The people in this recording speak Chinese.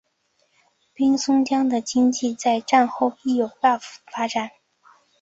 滨松市的经济在战后亦有大幅发展。